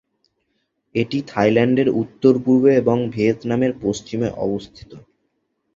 এটি থাইল্যান্ডের উত্তর-পূর্বে এবং ভিয়েতনামের পশ্চিমে অবস্থিত।